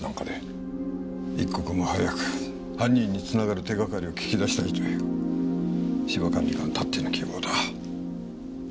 一刻も早く犯人に繋がる手がかりを聞き出したいという芝管理官たっての希望だ。